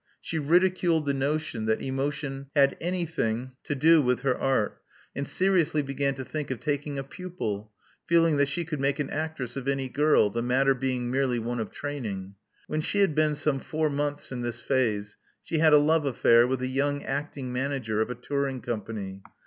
She ridiculed the notion that emotion had anything to Love Among the Artists 159 do with her art, and seriously began to think of taking a pnpil, feeling that she could make an actress of any girl, the matter being merely one of training. When she had been some four months in this phase, she had a love affair with a young acting manager of a touring company.